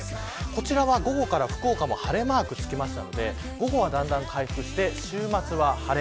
こちらは午後から福岡も晴れマークつきましたので午後はだんだん回復して週末は晴れ。